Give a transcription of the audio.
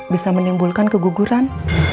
bisa menimbulkan keguguran